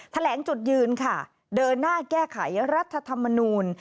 แถลงจุดยืนค่ะเดินหน้าแก้ไขรัฐธรรมนูล